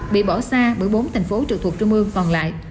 bị bỏ xa bởi bốn thành phố trực thuộc trung ương còn lại